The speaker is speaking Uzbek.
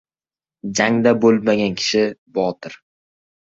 • Jangda bo‘lmagan kishi ― botir.